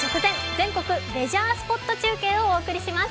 全国レジャースポット中継」をお送りします。